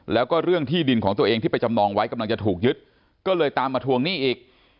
แล้วก็เรื่องที่ดินของตัวเองที่ไปจำนองไว้กำลังจะถูกยึดก็เลยตามมาทวงหนี้อีก